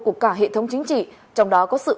của cả hệ thống chính trị trong đó có sự